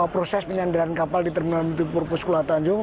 proses penyandaran kapal di terminal muntubur puskula tanjung